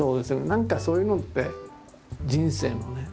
何かそういうのって人生のね。